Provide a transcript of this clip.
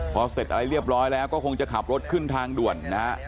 พอเสร็จอะไรเรียบร้อยแล้วก็คงจะขับรถขึ้นทางด่วนนะฮะ